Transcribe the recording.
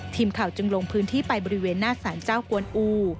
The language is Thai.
ทีมข่าวจึงลงพื้นที่ไปบริเวณหน้าสารเจ้ากวนอู